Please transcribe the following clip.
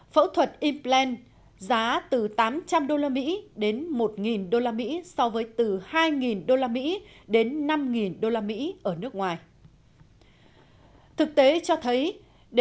phẫu thuật implant giá từ tám trăm linh usd đến một usd